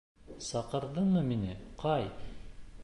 Саҡырҙыңмы мине, Кай?